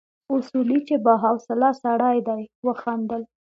اصولي چې با حوصله سړی دی وخندل.